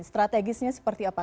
strategisnya seperti apa